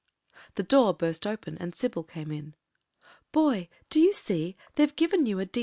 The door burst open, and Sybil came in. "Boy, do you see, they've given you a D.S.